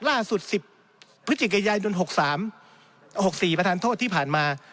ล่าสุด๑๐พฤศจิกายน๖๓๖๔ประธานโทษที่ผ่านมา